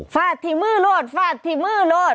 ฝาดฮีมือรวดฝาดฮีมือรวด